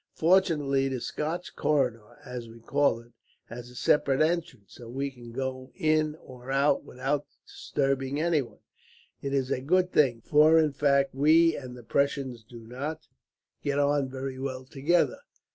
"Fortunately the Scotch corridor, as we call it, has a separate entrance, so we can go in or out without disturbing anyone. It is a good thing, for in fact we and the Prussians do not get on very well together.